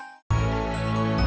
aku siapin dulu ya